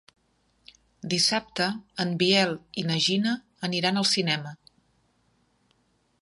Dissabte en Biel i na Gina aniran al cinema.